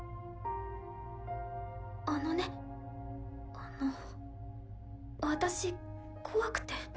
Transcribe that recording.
あのねあの私怖くて。